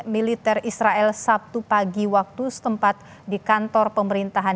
militer israel sabtu pagi waktu setempat di kantor pemerintahan